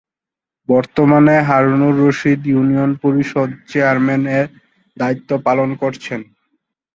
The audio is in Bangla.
বর্তমানে হারুনুর রশীদ ইউনিয়ন পরিষদ চেয়ারম্যান এর দায়িত্ব পালন করছেন।